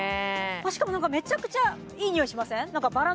しかもめちゃくちゃいい匂いしません？